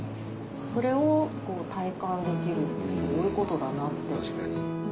それを体感できるってすごいことだなって。